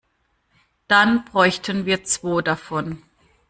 Dann bräuchten wir zwo davon.